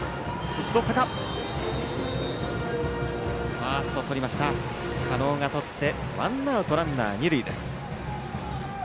ファーストの狩野がとってワンアウト、ランナー、二塁。